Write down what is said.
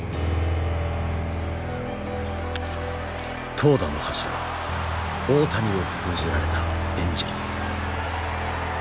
投打の柱大谷を封じられたエンジェルス。